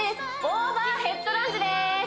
オーバーヘッドランジです